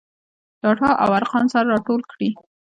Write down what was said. ډاټا او ارقام سره راټول کړي.